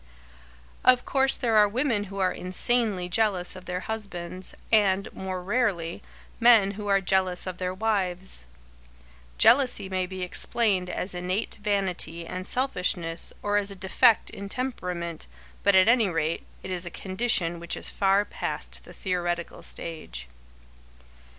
Of course there are women who are insanely jealous of their husbands, and, more rarely, men who are jealous of their wives. Jealousy may be explained as innate vanity and selfishness or as a defect in temperament, but at any rate, it is a condition which is far past the theoretical stage.